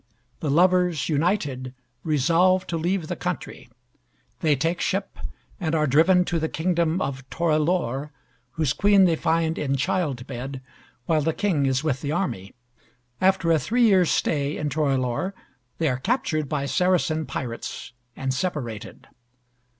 The lovers, united, resolve to leave the country. They take ship and are driven to the kingdom of Torelore, whose queen they find in child bed, while the king is with the army. After a three years' stay in Torelore they are captured by Saracen pirates and separated.